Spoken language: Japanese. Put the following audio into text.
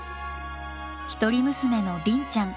一人娘の鈴ちゃん。